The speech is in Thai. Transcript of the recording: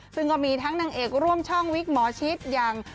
ซึ่งก็มีทั้งนางเอกร่วมช่องวิกหมอชิตอย่าง